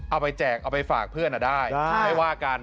เอาไปแจกเอาไปฝากเพื่อนอ่ะได้ไม่ว่ากัน